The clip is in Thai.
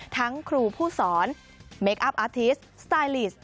ทั้งครูผู้สอนเมคอัพอาร์ทิสต์สไตลิสต์